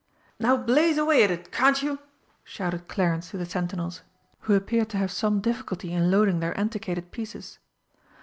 "Now blaze away at it, can't you!" shouted Clarence to the sentinels, who appeared to have some difficulty in loading their antiquated pieces.